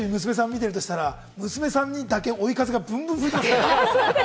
テレビ、娘さんが見てるとしたら娘さんにだけ追い風がブンブン吹いてますね。